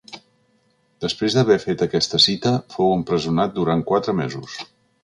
Després d’haver fet aquesta cita, fou empresonat durant quatre mesos.